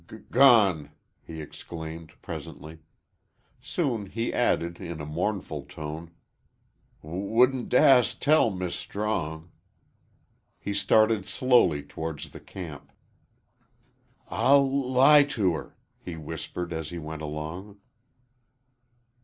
"G gone!" he exclaimed, presently. Soon he added, in a mournful tone, "W wouldn't d dast tell Mis' Strong." He started slowly towards the camp. "I'll l lie to her," he whispered, as he went along.